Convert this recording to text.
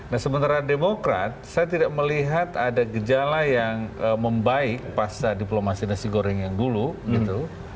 nah sementara demokrat saya tidak melihat ada gejala yang membaik pasca diplomasi nasi goreng yang dulu gitu